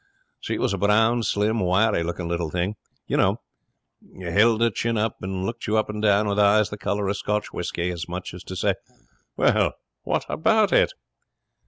She was a brown, slim, wiry looking little thing. You know. Held her chin up and looked you up and down with eyes the colour of Scotch whisky, as much as to say, "Well, what about it?"